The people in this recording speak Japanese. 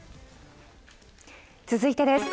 続いてです。